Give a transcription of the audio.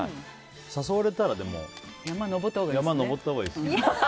誘われたら、でも山、登ったほうがいいですね。